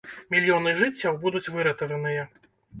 Мільёны жыццяў будуць выратаваныя!